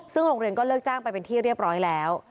ซึ่งโรงเรียนก็เลิกจ้างไปเป็นที่เรียบร้อยแล้ว